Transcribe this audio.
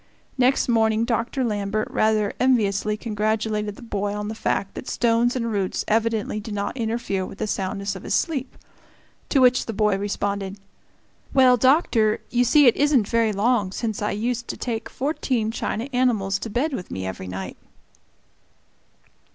Next morning Dr. Lambert rather enviously congratulated the boy on the fact that stones and roots evidently did not interfere with the soundness of his sleep; to which the boy responded, "Well, Doctor, you see it isn't very long since I used to take fourteen china animals to bed with me every night!"